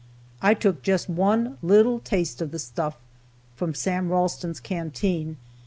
I took just one little taste of the stuff, from Sam Ralston's canteen.